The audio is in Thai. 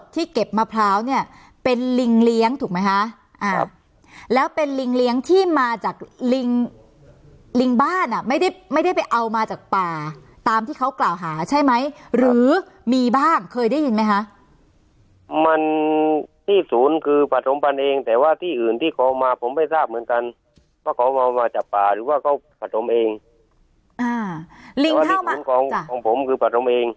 เก็บมะพร้าวเนี่ยเป็นลิงเลี้ยงถูกไหมคะอ่าครับแล้วเป็นลิงเลี้ยงที่มาจากลิงลิงบ้านอ่ะไม่ได้ไม่ได้ไปเอามาจากป่าตามที่เขากล่าวหาใช่ไหมหรือมีบ้างเคยได้ยินไหมคะมันที่ศูนย์คือปฐมพันธ์เองแต่ว่าที่อื่นที่เขามาผมไม่ทราบเหมือนกันว่าเขาเอามาจากป่าหรือว่าเขาผสมเองอ่าลิงลิงของของผมคือปฐมเอง